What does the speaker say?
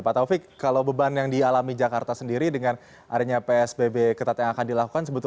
pak taufik kalau beban yang dialami jakarta sendiri dengan adanya psbb ketat yang akan datang apa yang akan terjadi